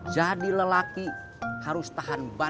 jadi lelaki harus tahan bantuan